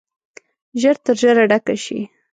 ژر تر ژره ډکه شي.